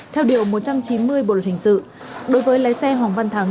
theo điều một trăm chín mươi bộ luật hình dự đối với lái xe hồng văn thắng